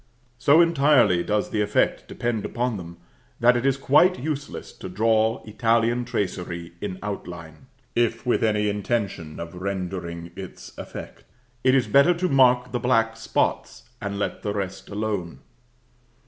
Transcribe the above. So entirely does the effect depend upon them, that it is quite useless to draw Italian tracery in outline; if with any intention of rendering its effect, it is better to mark the black spots, and let the rest alone.